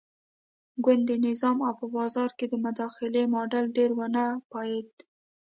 ګوندي نظام او په بازار کې د مداخلې ماډل ډېر ونه پایېد.